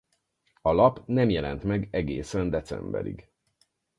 A lap nem jelent meg egészen decemberig.